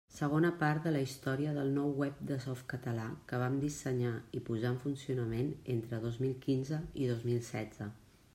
Segona part de la història del nou web de Softcatalà, que vam dissenyar i posar en funcionament entre dos mil quinze i dos mil setze.